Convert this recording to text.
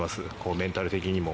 メンタル的にも。